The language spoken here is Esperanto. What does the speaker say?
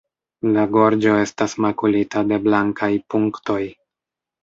La gorĝo estas makulita de blankaj punktoj.